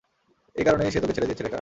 এই কারনেই সে তোকে ছেড়ে দিয়েছে, রেখা।